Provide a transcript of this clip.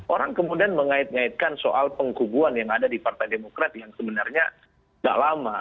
orang kemudian mengait ngaitkan soal pengkubuan yang ada di partai demokrat yang sebenarnya tidak lama